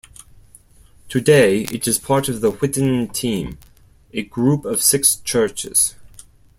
Today it is part of the Whitton Team, a group of six churches.